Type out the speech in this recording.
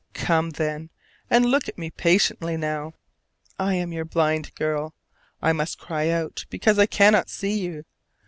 Come, then, and look at me patiently now! I am your blind girl: I must cry out because I cannot see you.